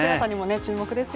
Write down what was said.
注目ですよ